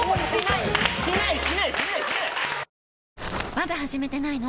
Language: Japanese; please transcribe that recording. まだ始めてないの？